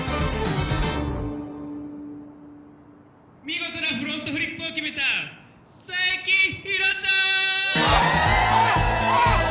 見事なフロントフリップを決めた佐伯広斗！